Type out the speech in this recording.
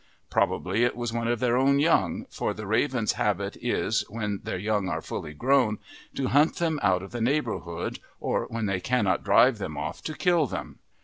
Probably it was one of their own young, for the ravens' habit is when their young are fully grown to hunt them out of the neighbourhood, or, when they cannot drive them off, to kill them.